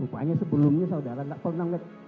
rupanya sebelumnya saudara nggak pernah ngecek